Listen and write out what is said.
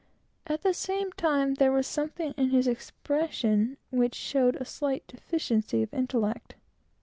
At the same time there was something in his expression which showed a slight deficiency of intellect.